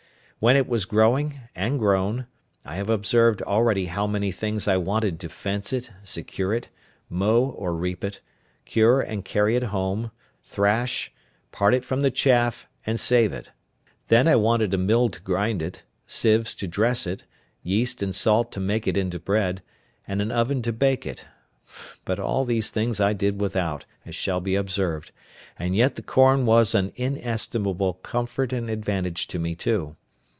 When it was growing, and grown, I have observed already how many things I wanted to fence it, secure it, mow or reap it, cure and carry it home, thrash, part it from the chaff, and save it. Then I wanted a mill to grind it, sieves to dress it, yeast and salt to make it into bread, and an oven to bake it; but all these things I did without, as shall be observed; and yet the corn was an inestimable comfort and advantage to me too.